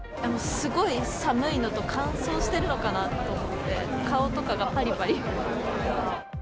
すごい寒いのと、乾燥しているのかなと思って、顔とかがぱりぱり。